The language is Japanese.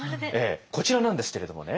こちらなんですけれどもね。